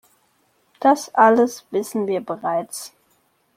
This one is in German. Das alles wissen wir bereits.